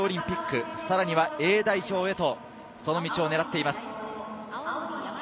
パリオリンピック、さらにはＡ代表へと、その道を狙っています。